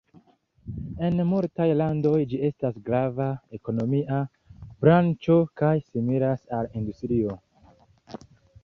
En multaj landoj ĝi estas grava ekonomia branĉo kaj similas al industrio.